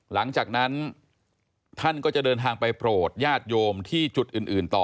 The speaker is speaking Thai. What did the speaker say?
หลังจากนั้นท่านก็จะเดินทางไปโปรดญาติโยมที่จุดอื่นต่อ